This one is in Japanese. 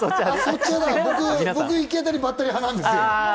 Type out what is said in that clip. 僕は行き当たりばったり派なんですよ。